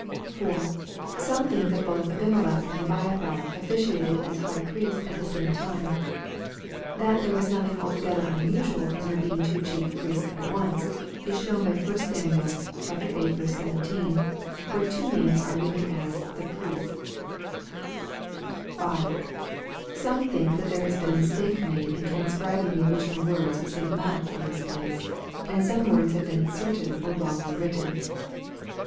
Some think that both Abimelech and Abiathar officiated as High Priests at the same time. That there was nothing altogether unusual in there being two Chief Priests at once, is shown by 1 Sam. viii. 17, where two names are given as "the Priests." 5. Some think that there has been a mistake made in transcribing the original words of St. Mark in this place, and some words have been inserted or wrongly written.